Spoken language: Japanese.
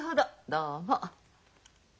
どうも。